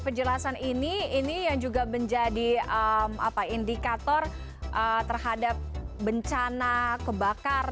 penjelasan ini yang juga menjadi indikator terhadap bencana kebakaran